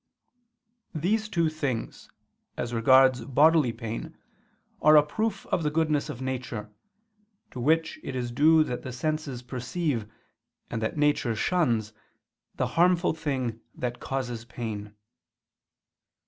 These two things, as regards bodily pain, are a proof of the goodness of nature, to which it is due that the senses perceive, and that nature shuns, the harmful thing that causes pain.